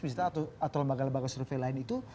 misalnya atau lembaga lembaga survei lain itu